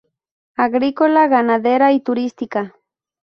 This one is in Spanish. Agrícola, ganadera y turística.